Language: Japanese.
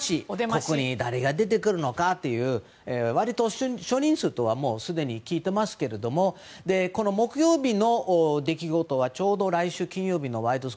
ここに誰が出てくるのかという割と少人数とはすでに聞いていますけども木曜日の出来事はちょうど来週金曜日の「ワイド！